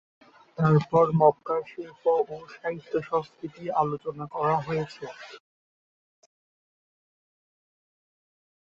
অতঃপর মক্কার শিল্প ও সাহিত্য-সংস্কৃতি আলোচনা করা হয়েছে।